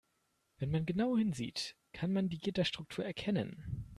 Wenn man genau hinsieht, kann man die Gitterstruktur erkennen.